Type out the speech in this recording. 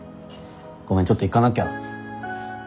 ごめんちょっと行かなきゃ。